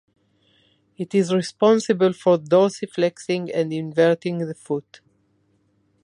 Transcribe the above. It is responsible for dorsiflexing and inverting the foot.